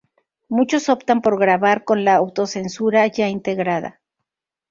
muchos optan por grabar con la autocensura ya integrada